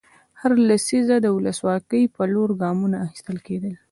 هره لسیزه د ولسواکۍ په لور ګامونه اخیستل کېدل.